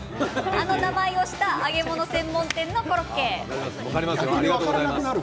あの名前をした揚げ物専門店のコロッケ。